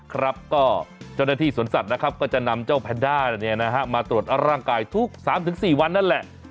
ครับก็เจ้าหน้าที่สวนสัตว์นะครับก็จะนำเจ้าแพนด้ามาตรวจร่างกายทุก๓๔วันนั่นแหละ